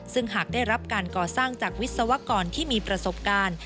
ซึ่งหากได้รับการก่อสร้างจากวิศวกรที่มีประสบการณ์